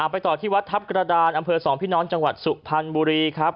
ไปต่อที่วัดทัพกระดานอำเภอ๒พี่น้องจังหวัดสุพรรณบุรีครับ